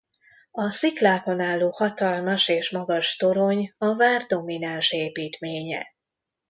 A sziklákon álló hatalmas és magas torony a vár domináns építménye.